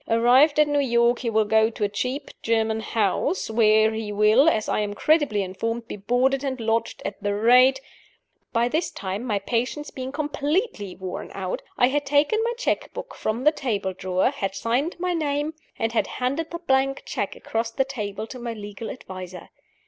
Arrived at New York, he will go to a cheap German house, where he will, as I am credibly informed, be boarded and lodged at the rate " By this time (my patience being completely worn out) I had taken my check book from the table drawer, had signed my name, and had handed the blank check across the table to my legal adviser.